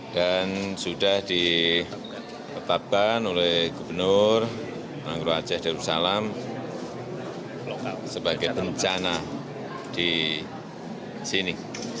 dan sudah diketatkan oleh gubernur rangkro aceh darussalam sebagai bencana di sini